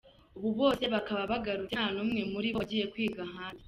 Ubu bose bakaba bagarutse nta n’umwe muri bo wagiye kwiga ahandi.